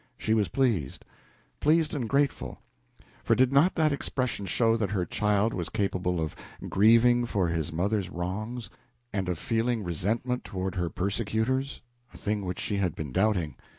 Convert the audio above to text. She was pleased pleased and grateful; for did not that expression show that her child was capable of grieving for his mother's wrongs and of feeling resentment toward her persecutors? a thing which she had been doubting.